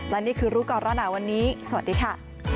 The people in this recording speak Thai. และนี่คือรู้ก่อนร้อนหนาวันนี้สวัสดีค่ะ